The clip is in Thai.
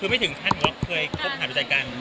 คือไม่ถึงขั้นหรอเคยพูดถามอาจารย์กัน